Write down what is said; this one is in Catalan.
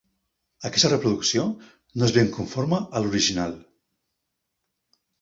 Aquesta reproducció no és ben conforme a l'original.